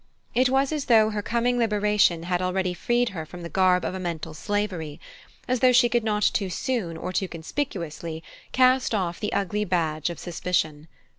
It was as though her coming liberation had already freed her from the garb of a mental slavery, as though she could not too soon or too conspicuously cast off the ugly badge of suspicion.